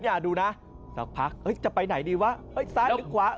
อย่าดูนะเดี๋ยวพักจะไปไหนดีวะซ้ายหรือขวา